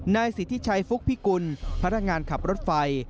นายสิทธิชัยฟุกพิกุลพนักงานขับรถไฟ